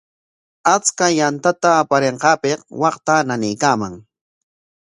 Achka yantata aparinqaapik waqtaa nanaykaaman.